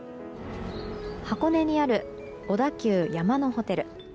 箱根にある小田急山のホテル。